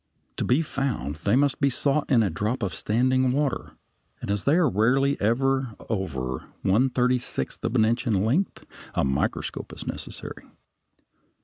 To be found they must be sought in a drop of standing water, and as they are rarely ever over one thirty sixth of an inch in length, a microscope is necessary.